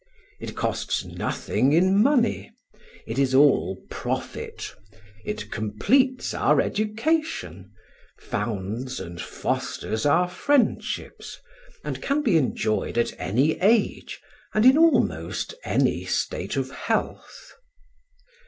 It costs nothing in money; it is all profit; it completes our education, founds and fosters our friendships, and can be enjoyed at any age and in almost any state of health.